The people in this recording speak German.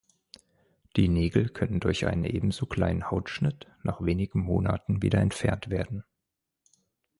Die Nägel können durch einen ebenso kleinen Hautschnitt nach wenigen Monaten wieder entfernt werden.